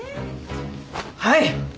はい。